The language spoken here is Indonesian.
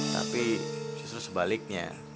tapi justru sebaliknya